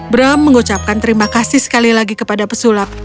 bram mengucapkan terima kasih sekali lagi kepada pesulap